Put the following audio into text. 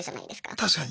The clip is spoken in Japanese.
確かに。